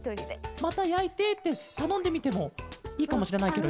「またやいて」ってたのんでみてもいいかもしれないケロよね。